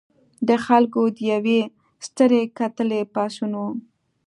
د خلکو د یوې سترې کتلې پاڅون و.